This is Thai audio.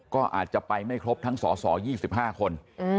ก็อาจจะไปไม่ครบทั้งสส๒๕คน